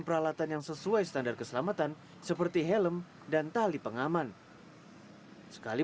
peralatan yang sesuai standar keselamatan seperti helm dan tali pengaman sekali